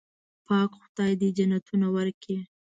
پاک خدای دې جنتونه ورکړي.